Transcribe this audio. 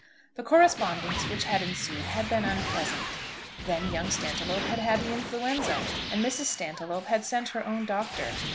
The correspondence which had ensued had been unpleasant. Then young Stantiloup had had the influenza, and Mrs. Stantiloup had sent her own doctor.